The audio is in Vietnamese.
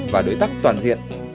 và đối tác toàn diện